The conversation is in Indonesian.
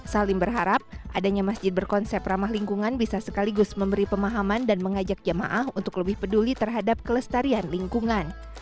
salim berharap adanya masjid berkonsep ramah lingkungan bisa sekaligus memberi pemahaman dan mengajak jamaah untuk lebih peduli terhadap kelestarian lingkungan